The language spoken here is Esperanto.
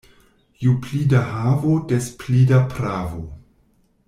Ju pli da havo, des pli da pravo.